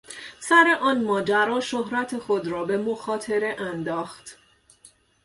سر آن ماجرا شهرت خود را به مخاطره انداخت.